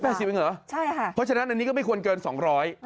๘๐บาทหรอใช่ค่ะเพราะฉะนั้นอันนี้ก็ไม่ควรเกิน๒๐๐บาท